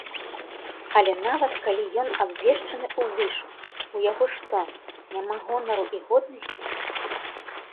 Але нават калі ён абвешчаны ў вышук, ў яго што, няма гонару і годнасці?